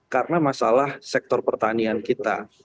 karena masalah sektor pertanian kita